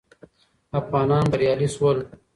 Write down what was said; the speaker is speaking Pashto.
افغانان بریالي شول